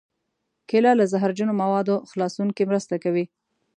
کېله له زهرجنو موادو خلاصون کې مرسته کوي.